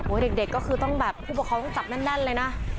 เด็กก็คือต้องแบบผู้ปกครองต้องจับแน่นเลยนะ